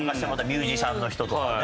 ミュージシャンの人とかね。